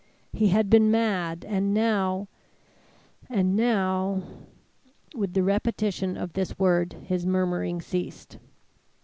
He had been mad, and now and now With the repetition of this word his murmuring ceased.